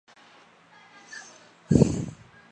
有研究提出双三嗪基吡啶。